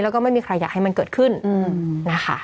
แล้วก็ไม่มีใครอยากให้มันเกิดขึ้นนะคะ